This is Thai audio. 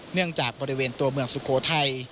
เนื่องจากบริเวณตัวเมืองสุโขทัย